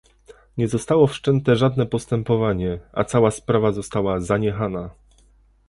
Nie zostało wszczęte żadne postępowanie, a cala sprawa została zaniechana